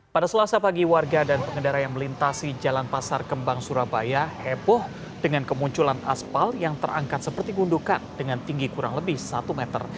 pada selasa pagi warga dan pengendara yang melintasi jalan pasar kembang surabaya heboh dengan kemunculan aspal yang terangkat seperti gundukan dengan tinggi kurang lebih satu meter